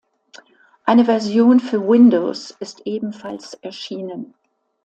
Eine Version für Windows ist ebenfalls erschienen.